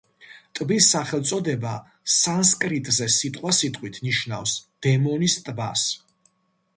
ტბის სახელწოდება სანსკრიტზე სიტყვასიტყვით ნიშნავს „დემონის ტბას“.